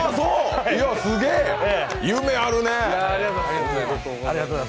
すげえ、夢あるね。